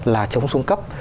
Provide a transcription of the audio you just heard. là chống xuống cấp